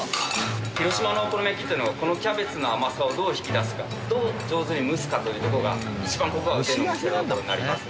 広島のお好み焼きっていうのはこのキャベツの甘さをどう引き出すかどう上手に蒸すかというところが一番ここは腕の見せどころになりますね。